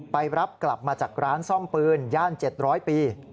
ไปรับกลับมาจากร้านซ่อมปืนย่าน๗๐๐ปี